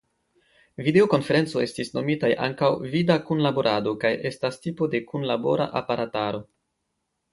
Videokonferenco estis nomitaj ankaŭ "vida kunlaborado" kaj estas tipo de kunlabora aparataro.